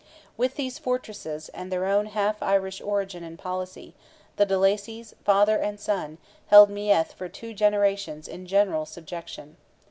With these fortresses, and their own half Irish origin and policy, the de Lacys, father and son, held Meath for two generations in general subjection.